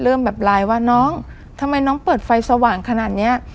เริ่มแบบไลน์ว่าน้องทำไมน้องเปิดไฟสว่างขนาดเนี้ย